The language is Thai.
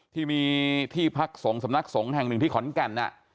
ที่มีที่พักสงฆ์สำนักสงฆ์แห่งหนึ่งที่ขอนแก่น